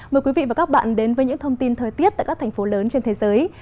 mời quý vị và các bạn đến với những thông tin thời tiết tại các thành phố lớn trên thế giới